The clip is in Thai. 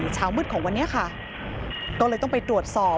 เช้ามืดของวันนี้ค่ะก็เลยต้องไปตรวจสอบ